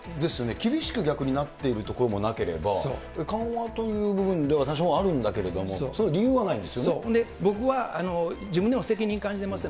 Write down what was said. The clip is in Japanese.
厳しく逆になっている所もなければ、緩和という部分では多少あるんだけども、そういう理由はで、僕は自分でも責任感じてますよ。